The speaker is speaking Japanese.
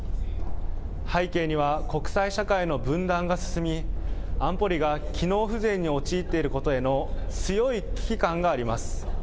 背景には国際社会の分断が進み、安保理が機能不全に陥っていることへの強い危機感があります。